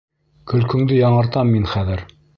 Көлкөңдө яңыртам мин хәҙер!